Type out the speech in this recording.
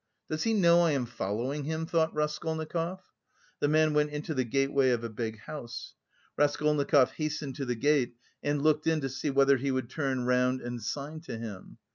"Does he know I am following him?" thought Raskolnikov. The man went into the gateway of a big house. Raskolnikov hastened to the gate and looked in to see whether he would look round and sign to him.